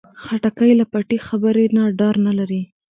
خټکی له پټې خبرې نه ډار نه لري.